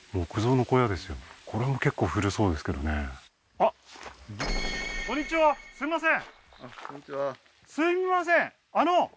あっこんにちはあっすみません